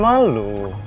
dia bukan cewek gue